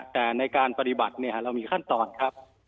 แต่ในการปฏิบัติเรามีขั้นตอนครับ